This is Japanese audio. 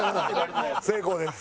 成功です。